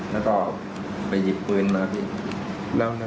แล้วก็ไปหยิบพื้นมาครับพี่